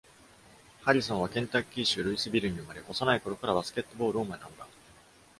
ハリソンはケンタッキー州ルイスビルに生まれ、幼いころからバスケットボールを学んだ。